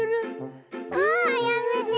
わあやめて。